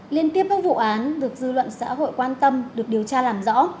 liên tiếp các vụ án được dư luận xã hội quan tâm được điều tra làm rõ